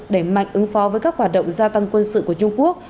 để mạnh ứng phó với các hoạt động gia tăng quân sự của trung quốc